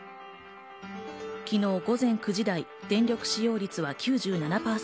昨日午前９時台、電力使用率は９７％。